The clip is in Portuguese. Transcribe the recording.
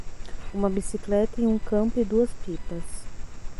Uma bicicleta em um campo e duas pipas